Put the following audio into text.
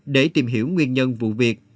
để tìm hiểu nguyên nhân vụ việc